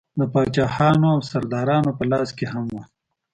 د پاچاهانو او سردارانو په لاس کې هم وه.